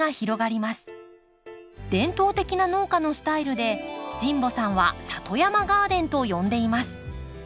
伝統的な農家のスタイルで神保さんは「里山ガーデン」と呼んでいます。